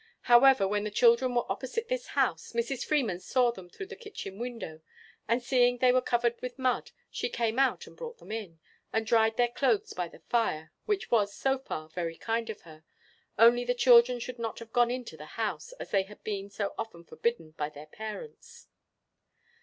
However, when the children were opposite this house, Mrs. Freeman saw them through the kitchen window; and seeing they were covered with mud, she came out and brought them in, and dried their clothes by the fire; which was, so far, very kind of her, only the children should not have gone into the house, as they had been so often forbidden by their parents.